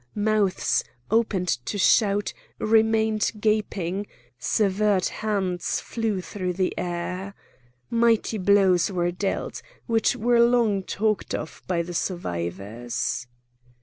Mouths, opened to shout, remained gaping; severed hands flew through the air. Mighty blows were dealt, which were long talked of by the survivors.